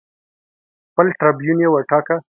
خپل ټربیون یې وټاکه